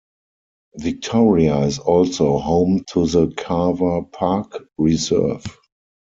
Victoria is also home to the Carver Park Reserve.